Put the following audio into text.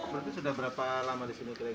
berarti sudah berapa lama di sini